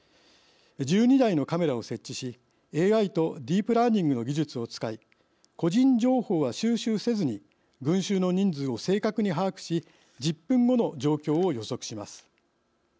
１２台のカメラを設置し、ＡＩとディープラーニングの技術を使い個人情報は収集せずに群集の人数を正確に把握し１０分後の状況を予測します。